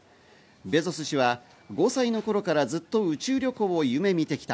ベゾス氏は５歳の頃からずっと宇宙旅行を夢見てきた。